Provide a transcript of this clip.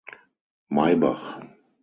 Maybach.